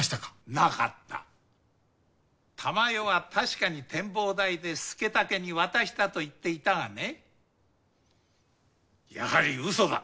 なかった珠世は確かに展望台で佐武に渡したと言っていたがねやはりウソだ。